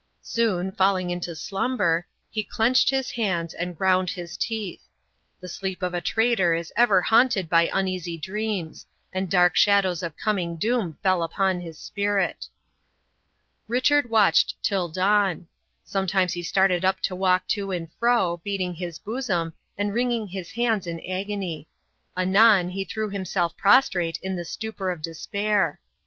Soon, falling into slumber, he clenched his hands, and ground his teeth. The sleep of a traitor is ever haunted by uneasy dreams, and dark shadows of coming doom fell upon his spirit. Richard watched till dawn. Sometimes he started up to walk to and fro, beating his bosom, and wringing his hands in agony. Anon he threw himself prostrate in the stupor of despair.